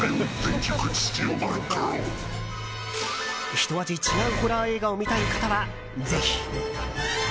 ひと味違うホラー映画を見たい方はぜひ！